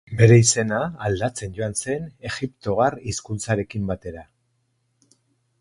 Bere izena, aldatzen joan zen egiptoar hizkuntzarekin batera.